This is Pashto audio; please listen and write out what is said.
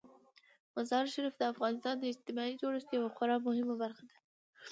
مزارشریف د افغانستان د اجتماعي جوړښت یوه خورا مهمه برخه ده.